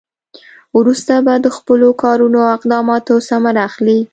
وروسته به د خپلو کارونو او اقداماتو ثمره اخلي.